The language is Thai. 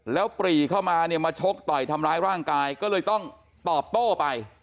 แล้วปรีเข้ามาเนี่ยมาชกต่อยทำร้ายร่างกายก็เลยต้องตอบโต้ไป